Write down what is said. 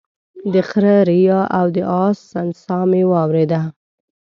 د خره ريا او د اس سسنا مې واورېدله